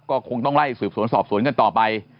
ก็คงต้องไล่สืบสวนสอบสวนกันต่อไป